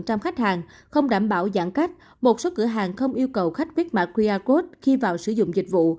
trong khách hàng không đảm bảo giãn cách một số cửa hàng không yêu cầu khách viết mạng qr code khi vào sử dụng dịch vụ